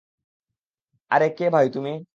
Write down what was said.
আরে, কে ভাই তুমি?